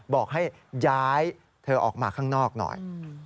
บอกให้ย้ายเธอออกมาข้างนอกหน่อย